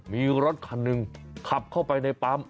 มีรถคันหนึ่งขับเข้าไปในปั๊ม